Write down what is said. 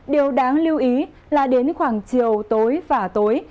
điều đáng lưu ý là đến khoảng chiều tối và tối